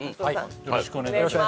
よろしくお願いします